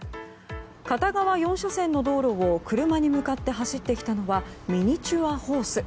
片側４車線の道路を車に向かって走ってきたのはミニチュアホース。